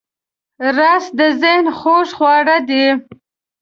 رس د ذهن خوږ خواړه دی